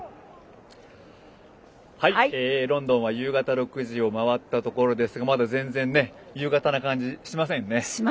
ロンドンは夕方６時を回ったところですがまだ全然、夕方な感じしませんね。